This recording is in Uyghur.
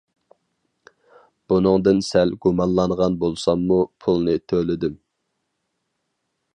بۇنىڭدىن سەل گۇمانلانغان بولساممۇ پۇلنى تۆلىدىم.